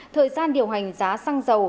thời gian điều hành giá xăng dầu